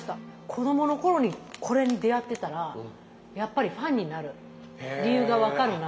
子供の頃にこれに出会ってたらやっぱりファンになる理由が分かるなってちょっと思いますよ。